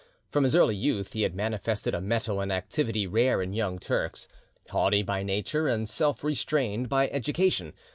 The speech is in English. From his early youth he had manifested a mettle and activity rare in young Turks, haughty by nature and self restrained by education.